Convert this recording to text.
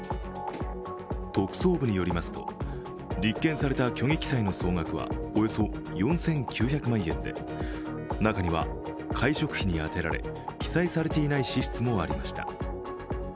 特捜部によりますと立件された虚偽記載の総額はおよそ４９００万円で中には会食費に当てられ記載されていない支出もありました。